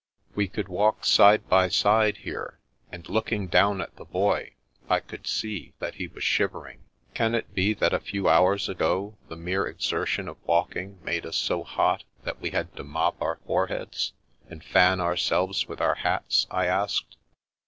We could walk side by side here, and look ing down at the Boy, I could see that he was shivering. " Can it be that a few hours ago the mere exer tion of walking made us so hot that we had to mop our foreheads, and fan ourselves with our hats ?"* I asked.